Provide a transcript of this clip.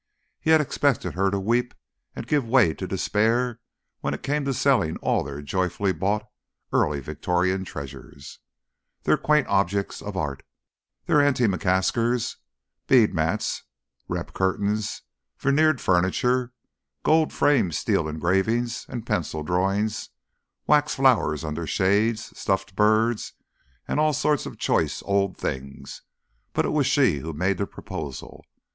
He had expected her to weep and give way to despair when it came to selling all their joyfully bought early Victorian treasures, their quaint objects of art, their antimacassars, bead mats, repp curtains, veneered furniture, gold framed steel engravings and pencil drawings, wax flowers under shades, stuffed birds, and all sorts of choice old things; but it was she who made the proposal.